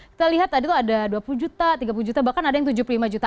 kita lihat tadi tuh ada dua puluh juta tiga puluh juta bahkan ada yang tujuh puluh lima juta